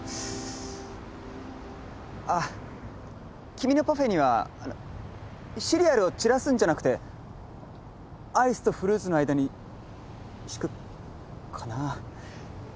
あ君のパフェにはシリアルを散らすんじゃなくてアイスとフルーツの間に敷くかな。